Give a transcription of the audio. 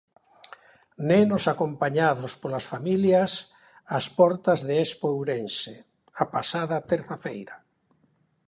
Nenos acompañados polas familias ás portas de Expourense, a pasada terza feira.